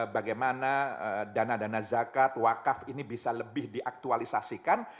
bagaimana dana dana zakat wakaf ini bisa lebih diaktualisasikan